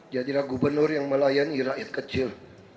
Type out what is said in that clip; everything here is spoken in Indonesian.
jadilah gubernur yang melayani rakyat kecil